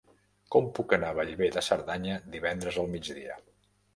Com puc anar a Bellver de Cerdanya divendres al migdia?